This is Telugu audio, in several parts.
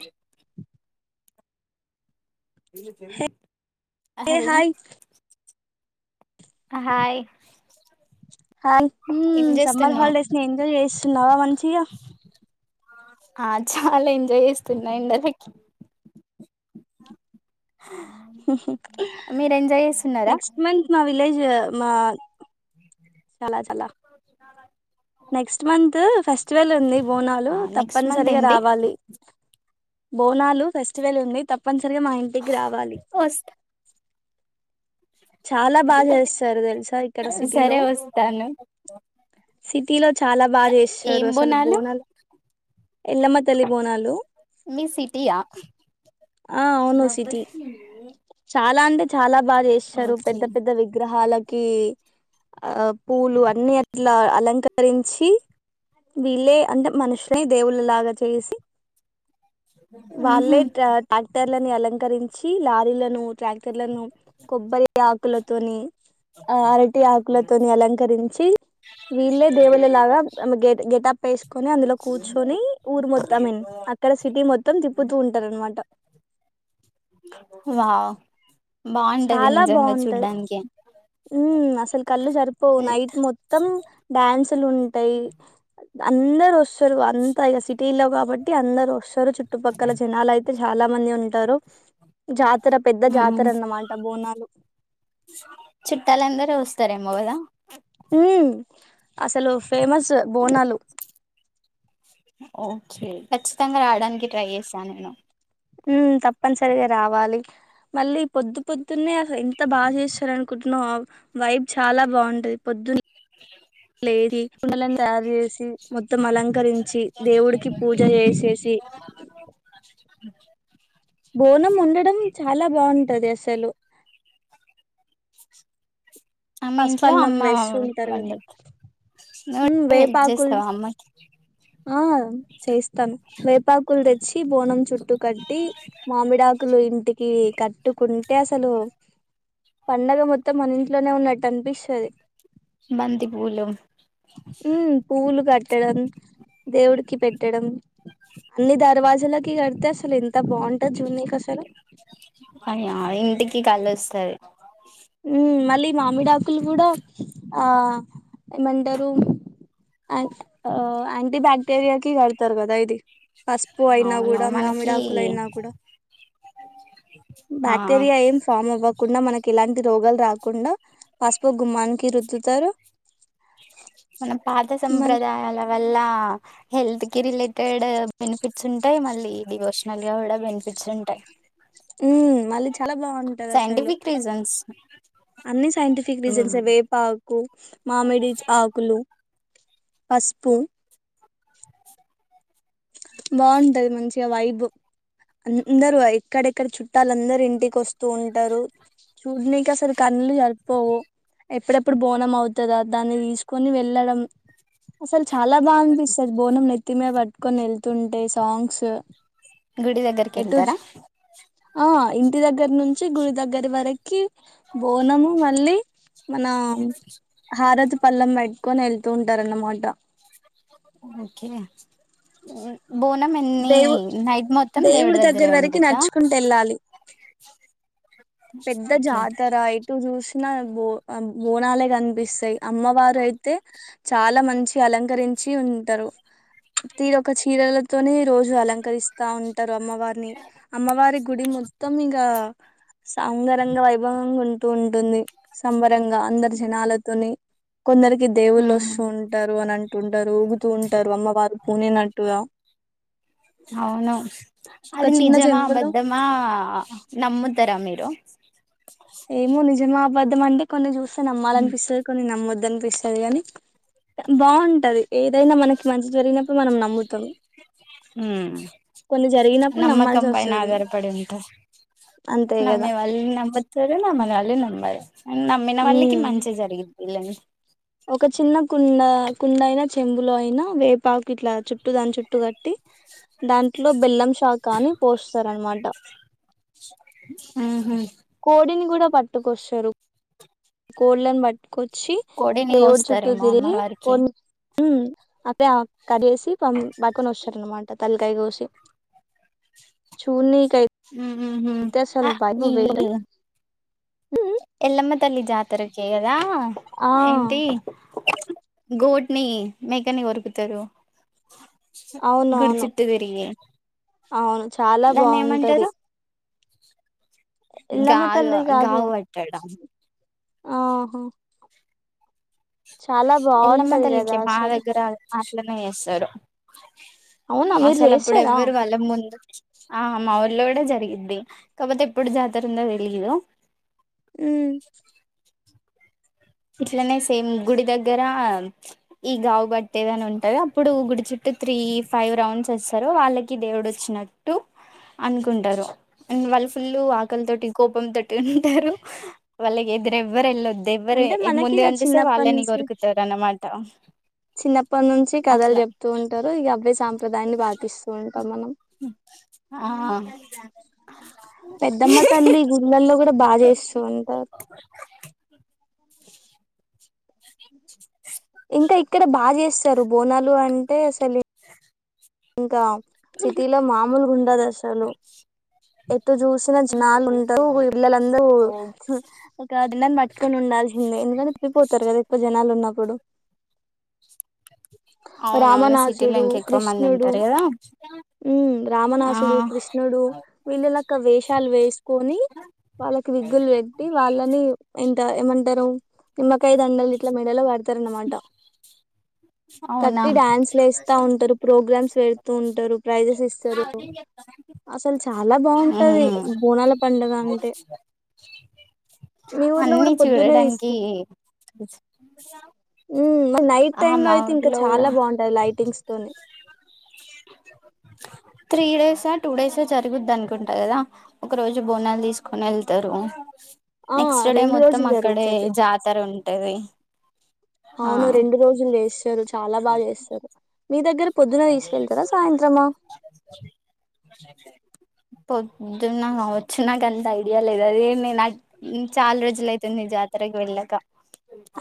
ఇ హలో హాయ్ హ ఏం మ్ సంబర్ చేస్తున్నావ్ హాలడేస్ ఎంజాయ్ చేస్తున్నారా మంచిగా ఆ చాలా ఎంజాయ్ చేస్తున్న ఎండలకి మీరు ఎంజాయ్ చేస్తున్నారా నెక్స్ట్ మంత్ మావి విలేజ్ మా చాల చాల నెక్స్ట్ మంత్ ఫెస్ట్ ఫెస్టివల్ ఉంది బోనాలు ఆ నెక్స్ట్ మంత్ తప్పనిసరిగా ఏంటి రావాలి బోనాలు ఫెస్టివల్ ఉంది తప్పని సరిగా మా ఇంటికి రావాలి వస్తా చాలా బాగా చేస్తారు తెలుసా ఇక్కడ సిటీలో సరే వస్తాను సిటీలో చాలా బాగా చేస్తారు అసలు బోనాలు ఎల్లమ్మ తల్లి బోనాలు మీ సిటీయా ఆ అవును సిటీ చా అలా అంటే చాలా బాగా చేస్తారు పెద్ద పెద్ద విగ్రహాలకు కీ ఆ పూలు అన్ని అట్లా అలం అలంకరించి వీళ్ళే అంటే మనుషులై దేవుళ్ళలాగా చేసి వాళ్లే ఉహు క టాక్టర్ ని అలంకరించి లారీలను ట్రాక్టర్లను కొబ్బరి ఆకులతోని ఆ అరటి ఆకులతోని అలంకరించి వీళ్ళే దేవుళ్ళలాగా గె గెటప్ ఎసుకొని అందులో కూర్చొనీ ఊరు మొత్తం ఐ మీన్ అక్కడ సిటీ మొత్తం తిప్పుతూ ఉంటారు అనమాట వా చాలా బాగుంటాది మ్మ్ అసలు కళ్ళు సరిపోవు నైట్ మొత్తం డ్యాన్సులు ఉంటాయి అందర్ వస్తు త్తరు అంతా ఇక సిటీల్లో కాబట్టి అందరుూ ఒస్తరు చుట్టుపక్కల జనాలు అయితే చాలా మంది ఉంటారు జాతర పెద్ద జాతర ఉమ్ అన్నమాట్ చుట్టాలందరూ వస్తారేమో కదా ఊ అసలు ఫేమస్ బోనాలు ఓకే ఖచ్చితంగా రావడానికి ట్రై చేస్తా నేను మ్మ్ తప్పనిసరిగా రావాలి మళ్ళీ పొద్దు పొద్దున్నే అసలు ఎంత బాగా చేస్తారనుకుంటున్నా ఆ వైబ్ చాలా బాగుంటది పొద్దున్నే ఏరి కుండలని తయారు జెసి మొత్తం అలంక కరించి దేవుడికి పూజ చేసేసి బోనం ఉండడం చాలా బాగుంటది అసలు అమ్మ ఇంట్లో పసుపన్నం అమ్మ వేస్తూ ఉంటారు కదా వండుది ఉమ్ నువ్ హెల్ప్ వేపాకులు చేస్తావా అమ్మకి ఆ చేస్తాను వేపాకులు తెచ్చి బోనం చుట్టు కట్టి మామిడాకులు ఇంటికి కట్టుకుంటే అసలు పండగ మొత్తం మన ఇంట్లోనే ఉన్నట్టనిపిస్తది బంతిపులు మ్మ్ పూవులు కట్టడం దేవుడికి పెట్టడం అన్ని దర్వాజులకి కడితే అసలు ఎంత బాగుంటది జూనీకి అసలు అయ్యా ఇంటికి కళ్ళొస్తది మ్మ్ మళ్ళీ మామిడాకులు కూడా ఆ ఏమంటారు అ ఆ యాంటీ బాక్టీరియాకి కడతారు కదా ఇది పసుపు అయినా అవును కూడా మామిడి మనకి ఆకులు అయినా కూడా ఆ బాక్టీరియా ఏం ఫామ్ అవ్వ కుండా మనకి ఇలాంటి దయచేసి ఆడియోను వినండి మరియు ముందే నింపిన ట్రాన్స్క్రిప్షన్ సరిదిద్దండి. అవసరమైన చోట ట్యాగ్‌లను జోడించండి. పైన పేర్కొన్న వెర్బాటిమ్ ట్రాన్స్‌క్రిప్షన్ మార్గదర్శకాలను పాటిస్తున్నారని నిర్ధారించుకోండి. మనం పాత సంప్రదాయాల వల్ల. హెల్త్ కి రిలేటెడ్ బెనిఫిట్స్ ఉంటాయి. మళ్లీ డివోషనల్ కూడా బెనిఫిట్స్ ఉంటాయి. ఉమ్ మళ్లీ చెప్. సైంటిఫిక్ రీజన్స్ అన్ని సైంటిఫిక్ రీజన్స్ మ్మ్ ఏ వేపాక్ కు మామిడి ఆకులు పసుపు బావుంటది మంచిగా వైబ్ అందరూ ఎక్కడెక్కడ చుట్టాలు అందరూ ఇంటికి వస్తు ఉంటరూ చూడ్నీకి అసలు కన్నులు సరిపోవు ఎప్పుడెప్పుడు బోనం అవుతదా దాన్ని తీసుకొని వెళ్ళడం అసలు చాలా బాగా అనిపిస్తది బోనం నెత్తి మీద పట్ కొని వెళ్తుంటే సాంగ్స్ గుడి దగ్గరికి ఎటు వెళ్తారా ఆ ఇంటి దగ్గర నుం వచ్చి గుడి దగ్గర వరక్ కీ బోనము మళ్ళీ మనా హారతి పళ్లం పెట్టుకొని వెళ్తూ ఉంటారన్నమాట ఓకే హుమ్ బోనం ఎన్ని దేవు నైట్ మొత్తం దేవుడి దగ్గర దగ్గరే వరకి ఉండిద్దా నడుచుకుంటూ వెళ్ళాలి పెద్ద ఓకే జాతర ఎటు చూసిన బో బోనాలే కనిపిస్తాయి అమ్మవారు అయితే చాలా మంచి అలంకరించి ఉంటారు తీరు ఒక చీరలతోనీ రోజు అలంకరిస్ స్తా ఉంటారు అమ్మవారిని అమ్మవారి గుడి మొత్తం ఇక సౌందరంగా వైభవంగా ఉన్ టు ఉంటుంది సంబరంగా అందరు జనాలతోని కొందరికి దేవుళ్ళ ఉమ్ వస్తూ ఉంటారు అనంన్ తరు ఊగుతూ ఉంటారు అమ్మవారు పూనినట్టుగా అవును ఒక అది చిన్న నిజమా చెంబులో అబద్దమ్మా నమ్ముతరా మీరు ఏమో నిజ నిజమా అబద్ధమా అంటే కొన్ని చూస్త్ నమ్మాలనిపిస్తుంది కొన్ని నమ్మొ కన్పిస్తది కాని బావుంటది ఏదైనా మనకి మంచి జరిగినప్పుడు మనం నమ్ముతాం ఉమ్ కొన్ని జరిగినప్పుడు నమ్మకం నమ్మాల్సి పైన వస్తది ఆధారపడి ఉంటు అంతే నమ్మే కదా వాళ్ళు నమ్ముతారు నమ్మ వాళ్ళు నమ్మరు నమ్మిన వాళ్ళకి ఉమ్ మంచే జరిగి ఇల్లేమిష్ ఒక చిన్న కుండ, కుండ అయిన చెంబులో అయినా, వేపాకు ఇట్లా చుట్టూ దాని చుట్టూ గట్టి, దాంట్లో బెల్లం షాకాని పోస్తారు అనమాట హ్మ్ హు పట్టుకొషరు కొల్లన్ బట్కోచ్ చ్చి కోడిని దేవుడు చుట్టూ కోస్తారేమో తిరిగి అమ్మవారికి కొన్ ఉ [unintelligible] కడేసి పం పక్కొన వషారన్నమాట తల్కాయగోషి చున్ని ఉ ఉ హు అ ఇ వేరే ఇ ఉమ్, ఎల్లమ్మ తల్లి జాతరకి చేయ రా ఆ ఏంటి గోట్నీ మేకని కొరుకుతారు అవును గుడి చుట్టూ తిరిగి అవును చాలా దాన్ని బాగుంటది. ఇంక ఎల్లమ్మ ఆగు గావు పట్టడం ఆహో ఎల్లమ్మ బాగుంటది తల్లికి కదా మా అసలు దగ్గర అ ఇట్లనే ఎసరూ అవునా మీరు అసలు అప్పుడు చేస్తారా ఎవ్వరు వాళ్ళ ముందు ఆ మా ఊళ్లో కూడా జరిగిద్ది. కాకపోతే, ఎప్పుడు జాతర ఉందో తెలీయదు. హ్మ్ ఇట్లనే సేమ్, గుడి దగ్గర అ ఈ గావు బట్టేది అని వుంటది అప్పుడు గుడి చుట్టూ త్రీ, ఫైవ్ రౌండ్స్ వేస్తారు. వాళ్ళకి దేవుడు వచ్చినట్టు అనుకుంటారు. వాళ్ళు ఫుల్ ఆకలి తోటి, కోపం తోటి ఉంటారు. వాళ్ళకి ఎదురెవ్వరు వెళ్ళొద్దు దెవ్వరే అంటే మనకి ముందే ఇక అనిపిస్తే చిన్నప్పటి వాళ్ళే నిన్ నుంచి కోరుకుతార్ అన్నమాట త చిన్నప్పటి నుంచి కథలు చెప్తూ ఉంటారు ఇగ అవే సాంప ప్రదాన్ని పాటిస్తూ ఉంటాం మనం ఆ పెద్దమ్మ తల్లి గుళ్ళల్లో కూడా బాగ చేస్తూ ఉంటారు తరుబ్ బోనాలు అంటే అసలు ఇంకా సిటీలో మామూలు గుండ దశలు ఎటు చూసినా జనాలు ఉంటవు ఇళ్లలందరూ ఒక దిడాని పట్టుకొని ఉండాల్సిందే ఎందుకంటే తప్పిపోతారు కదా ఎక్కువ జనాలు ఉన్నప్పుడు అవునవును సిటీలో రామనాసుడు ఇంక కృష్ణ ఎక్కువ మంది కృష్ణుడు ఉంటారు కదా మ్మ్ ఆ రామనాసుడు కృష్ణుడు వీళ్ళ లేక్క వేషాలు వేసుకొని వాళ్ళకి విగ్గులు పెట్టి వాళ్ళని ఇంక ఏమంటరు పిల్ల కా దండలు ఇట్లా మేడలో వ తరణమాట అవునా ప్ర్రామ్స్ పెతూ ఉంటారు ప్రైజెస్ ఇస్తారు అసలు చాలా బాగుంటంది ఉమ్ బోనాల పడుగ అంటే మీ ఊర్లో అన్ని కూడా పొద్దునే చూడడానికి తీసుకు ఉ మ నైట్ ఆ టైమ్ లో మా అయితే ఇంకా ఊర్లో చాలా కూడా బాగుంటాది లైటింగ్స్ తోని త్రీ డేసా టూ డేసా జరుగుద్దనుకుంటా కదా ఒక రోజు బోనాలు తీసుకోని ఎళ్తారు ఆ నెక్స్ట్ డే రెండు మొత్తం రోజులు అక్కడ జరుగుతది జాతర ఉంటది ఆ అవును రెండు రోజులు జెస్తారు చాలా బాగా చేస్తారు మీ దగ్గర పొద్దున తీసుకెళ్తారా సాయంత్రమా పొద్దున్న కావచ్చు నాక అంత ఐడియా లేదు అదే నేను చాలా రోజులైతాంది జాతరకి వెళ్లక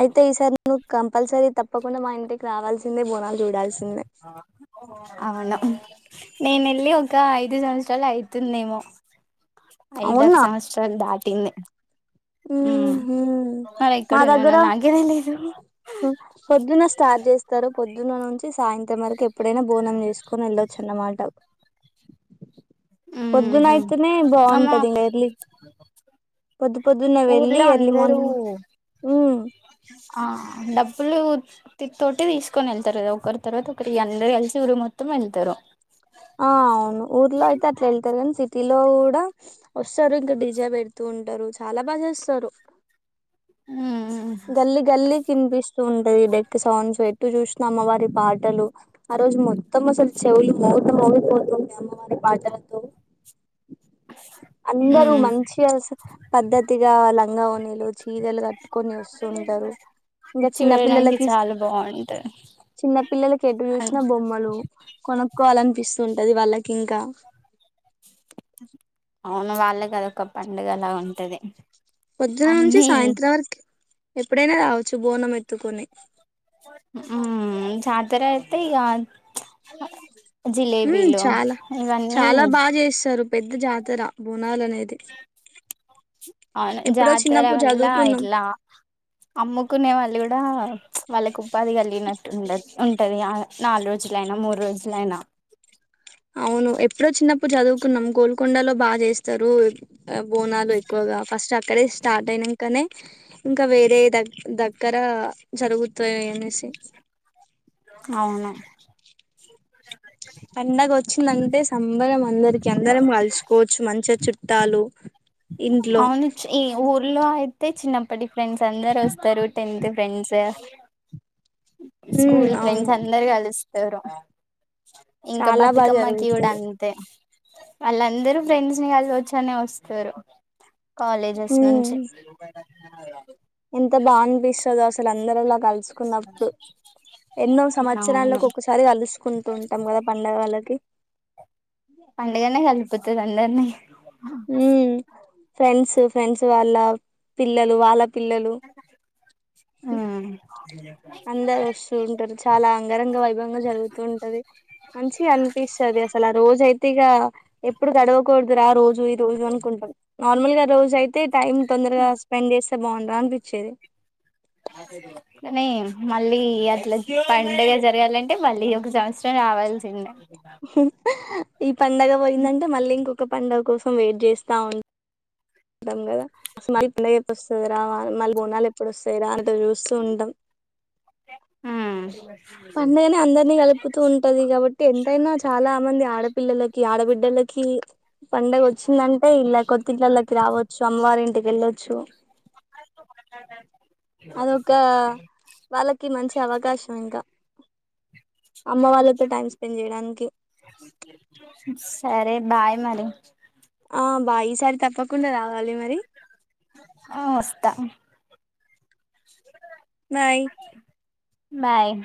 అయితే ఈసార్ను కంపల్సరి తప్ప తప్పకుండా మా ఇంటికి రావాల్సిందే బోనాల్ చూడాల్సిందే అవును నేను ఎళ్ళి ఒక ఐదు సంవత్సరాలు ఐతుందేమో ఐదారు సంవత్సరాాల దాటింది ఉమ్ మ్హ్హ్ మరి మా ఎక్కడున్నానో దగ్గర నాకే తెలీదు పొద్దున్న స్టార్ట్ చేస్తారు పొద్దున్న నుంచి సాయంత్రం వరకు ఎప్పుడైనా బోనం చేసుకొని వెళ్ళొచ్చు అన్నమాట పొద్దున ఉహు అయితేనే అమ్మ బాగుంటది ఇకార్లీ పొద్దు పొద్దున వెళ్ళి ఊర్లో అర్లీ అందరూ మార్నింగ్ ఉ తి తతోటి తీసుకొని వెళ్తారు అద ఒకరి తర్వాత ఒకరు వీరు అందరు కలిసి ఊరు మొత్తం వెళ్తారు ఆ అవును ఊర్లో అయితే అట్లా వెెల్తారు అ సిటీ సిటి లో కూడా వస్తారు ఇంకా డిజె పెడుతూ ఉంటారు చాలా బాగా చేస్తారు ఉమ్ గల్లి గల్లి కినిపిస్తూ ఉంటది డెక్ సాంగ్స్ ఎటు చూసిన అమ్మవారి పాటలు ఆ రోజు మొత్తం అసలు చెవులు మోత మోగిపోతుంది అమ్మవారి పాటలతో. అందరు ఉమ్ మంచిగ వస్తర్ పద్ధతిగా అళ ఇంగ అవును [unintelligible] లు చీరలు కట్టుకొని వస్తుంటారు ఇంకా చిన్న చూడడానికి పిల్లలకి చాలా బాగుంటది చిన్న పిల్లల ఎడ్ చూసిన బొమ్మలు కొనుక్కోవాలనిపిస్తు అది వాళ్ళకి ఇంకా [unintelligible] కదక్క పండుగ అలా ఉంటది పొద్దున నుంచి అన్నీ సాయంత్రం వరకు ఎప్పుడైనా రావచ్చు బోనం ఎత్తుకొని ఊ జతర అయితే ఇగ ఊ చాలా చాలా బాగా చేస్తారు పెద్ద జాతర బోన్ అవును ఎప్పుడో జాతర చిన్నప్పుడు వల్ల చదువుకున్నాం ఇట్లా అమ్ముకునే వాళ్ళు కూడా వాళ్ళకి ఉపాధి కలిగినట్టు ఉండదు ఉంటది ఆ నాలుగు రోజులైనా మూడు రోజులైనా అవును ఎప్పుడో చిన్నప్పుడు చదువుకున్నాం గోల్కొండలో బాగా చేస్తారు బోనాలు ఎక్కువగా ఫస్ట్ అక్కడే స్టార్ట్ అయినంకనే ఇంకా వేరే ద దగ్గర జరుగుతాయి అనేసి. అవును పండగ వచ్ చ్చిదంటె సాల్ అందరం అందరికి అందరం కలుసుకోవచ్చు మంచిగా చుట్టాలు. ఇంట్లో అవును చి ఈ ఊర్లో అయితే చిన్నప్ప ఫ్రెండ్స్ అందరు వస్తారు టెన్త్ ఫ్రెండ్స్ ఉమ్ స్కూల్ అవును ఫ్రెండ్స్ అందరు కలుస్త ఎవరు ఇంకా చాలా బాగా బతుకమ్మకి కూడా జరుగుతది అంతే వాళ్ళందరూ ఫ్రెండ్స్ ని కలిసి వచ్చానే వస్తారు కాలేజెస్ ఉమ్ నుంచి ఎంత బా అనిపిస్తదో అసలు అందరిలా కలుసు కున్నప్పుడు ఎన్నో అవును సంవత్సరాలకు ఒకసారి కలుసుకుంటు ఉంటాం కదా పండగ వళ్ల అకే పండగనే కల్పుతు రండన్న ఊ ఫ్రెండ్స్ ఫ్రెండ్స్ వాళ్ళ పిల్లలు వాళ్ళ పిల్లలు ఆ అందరు వస్తూ ఉంటారు చాలా అంగరంగ వైభవంగా జరుగుతూ ఉంటది మంచిగా అనిపిస్తది అసలు ఆ రోజ అయితే ఇగ ఎప్పుడు గడవ కూడదురు రోజు ఈ రోజు అనుకుంటాం నార్మల్ గా రోజు అయితే టైమ్ తొందరగా స్పెండ్ చేస్తే బాగుండరా అనిపిస్త్ చేరే కానీ మళ్ళీ అట్లా పండగ జరగాలంటే మళ్ళీ ఒక సంవత్సరం రావాల్సిందే ఈ పండగ పోయిందంటే మళ్ళీ ఇంకొక క పండగ కోసం వెయిట్ చేస్తా ఉన్ ఉంటాం కదా అసలు మళ్ళీ [unintelligible] వస్తది రా మళ్ళీ బోనాలు ఎప్పుడు వస్తాయి రా అని ఎదురు చూస్తూ ఉంటాం. [unintelligible] పండుగనే అందరినీ కలుపుతూ ఉంటది కాబట్టి ఎంతైనా చాలా మంది ఆడపి పిల్లలకి ఆడబిడ్డలకి పండగ వచ్చిందంటే ఇల్లా కోతింట్లలోకి రావచ్చు అమ్మవారి ఇంటికి వెళ్ళొ చ్చు [inaudible] మాట్లాడతాండ్ అదొక వాళ్ళకి మంచి అవకాశం ఇంకా అమ్మ వాళ్ళతో టైం స్పెండ్ చేయడానికి సరే [unintelligible] ఆ బా ఈసారి తప్పకుండా రావాలి మరి ఆ వస్తా నై మాయం